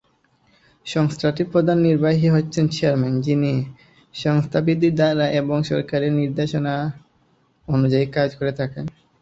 সংস্থাটির প্রধান নির্বাহী হচ্ছেন চেয়ারম্যান, যিনি সংস্থার বিধি দ্বারা এবং সরকারের নির্দেশনা অনুযায়ী কাজ করে থাকেন।